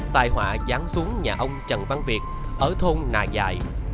tài họa dán xuống nhà ông trần văn việt ở thôn nà dại